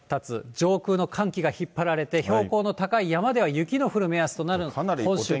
上空の寒気が引っ張られて、標高の高い山では雪の降る目安となる。